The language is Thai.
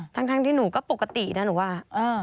ทั้งที่หนูก็ปกตินะหนูว่า